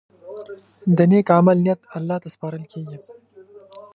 د نیک عمل نیت الله ته سپارل کېږي.